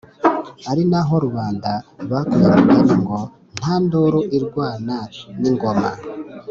ari na ho rubanda bakuye umugani ngo: “Nta nduru irwana n’ ingoma.”